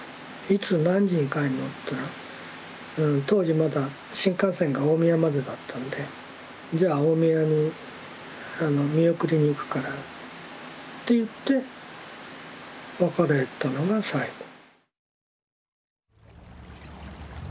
いつ何時に帰るの？というのは当時まだ新幹線が大宮までだったんでじゃあ大宮に見送りにいくからって言って別れたのが最後。